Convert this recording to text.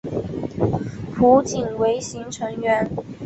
浦井唯行成员。